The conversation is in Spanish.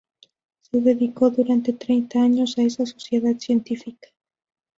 Se dedicó durante treinta años, a esa sociedad científica.